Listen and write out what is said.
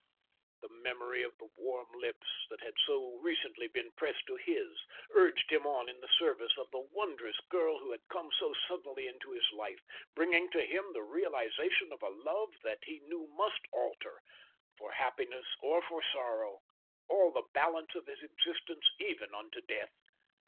The memory of the warm lips that had so recently been pressed to his urged him on in the service of the wondrous girl who had come so suddenly into his life, bringing to him the realization of a love that he knew must alter, for happiness or for sorrow, all the balance of his existence, even unto death.